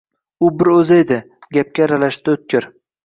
U bir o`zi edi, gapga aralashdi O`tkir